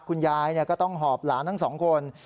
คุณยายก็ต้องหอบหลานทั้งสองคน